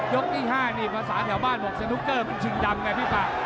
ที่๕นี่ภาษาแถวบ้านบอกสนุกเกอร์มันชิงดำไงพี่ปะ